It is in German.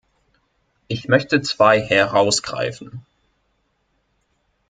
Ich möchte zwei herausgreifen.